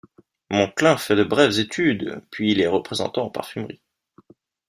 Monclin fait de brèves études puis il est représentant en parfumerie.